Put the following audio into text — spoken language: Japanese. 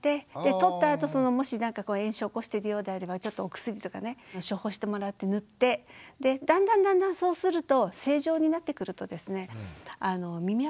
取ったあともしなんか炎症を起こしてるようであればちょっとお薬とかね処方してもらって塗ってでだんだんだんだんそうするとへえ！